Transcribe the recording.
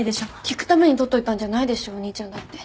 聴くために取っといたんじゃないでしょお兄ちゃんだって。